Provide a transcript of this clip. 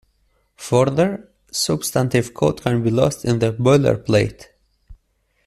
Further, substantive code can be lost in the boilerplate.